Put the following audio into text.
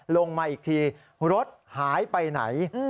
ลงมาอีกทีรถหายไปไหน